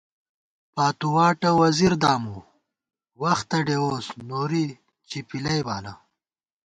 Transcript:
پاتُو واٹہ وزیر دامُو ، وختہ ڈېووس نوری چِپِلَئ بالہ